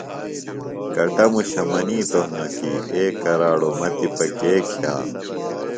کٹموشہ منِیتوۡ ہنوۡ کیۡ اے کراڑوۡ مہ تِپہ کے کِھئانوۡ